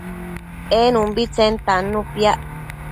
en umbitsen tannu piac